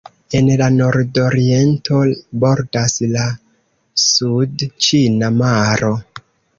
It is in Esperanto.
En la nordoriento bordas la sudĉina maro.